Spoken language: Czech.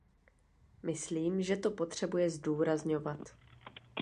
Myslím, že to potřebuje zdůrazňovat.